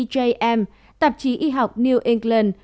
jm tạp chí y học new england